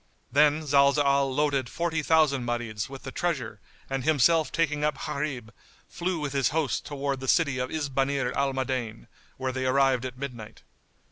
Then Zalzal loaded forty thousand Marids with the treasure and himself taking up Gharib, flew with his host towards the city of Isbanir al Madain where they arrived at midnight.